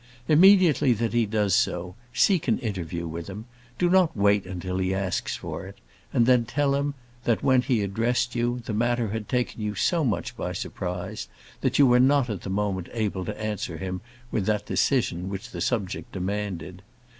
Immediately that he does so, seek an interview with him; do not wait till he asks for it; then tell him, that when he addressed you, the matter had taken you so much by surprise, that you were not at the moment able to answer him with that decision that the subject demanded.